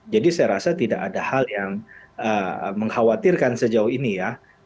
jadi saya rasa tidak ada hal yang mengkhawatirkan sejauh ini ya